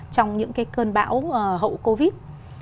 trong những cái cơn bão hậu covid